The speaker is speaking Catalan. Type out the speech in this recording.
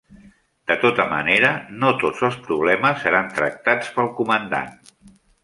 De tota manera, no tots els problemes seran tractats pel comandant.